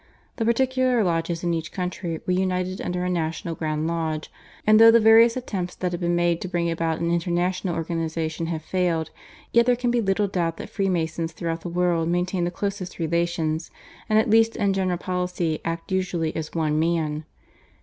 The particular lodges in each country were united under a national grand lodge, and though the various attempts that have been made to bring about an international organisation have failed, yet there can be little doubt that Freemasons throughout the world maintain the closest relations, and at least in general policy act usually as one man.